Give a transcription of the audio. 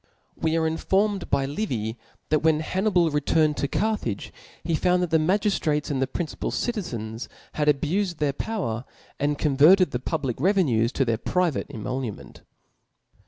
We are infermed Chap/ic.^y Livy, that when Jlannibal returned toCarthage, he found that the ihagiftratesand the principal cid tenis had abufed their power, and Converted (he public revenues to their private emolument.